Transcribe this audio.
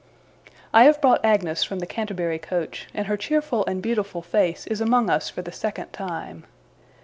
I have brought Agnes from the Canterbury coach, and her cheerful and beautiful face is among us for the second time.